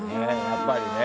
やっぱりね。